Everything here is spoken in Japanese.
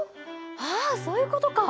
あそういうことか。